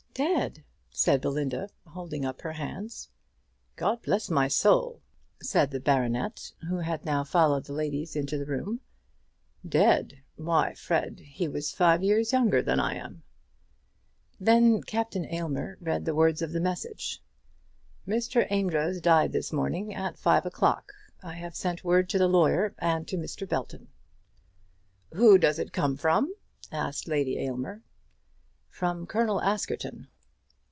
"Dead!" said Belinda, holding up her hands. "God bless my soul!" said the baronet, who had now followed the ladies into the room. "Dead! Why, Fred, he was five years younger than I am!" Then Captain Aylmer read the words of the message: "Mr. Amedroz died this morning at five o'clock. I have sent word to the lawyer and to Mr. Belton." "Who does it come from?" asked Lady Aylmer. "From Colonel Askerton."